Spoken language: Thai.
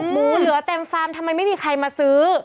หมูเหลือเต็มฟาร์มทำไมไม่มีใครมาซื้อ